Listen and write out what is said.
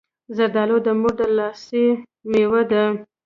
زردالو د مور د لاستی مېوه ده.